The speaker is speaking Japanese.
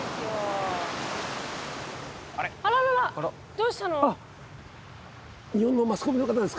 どうしたの⁉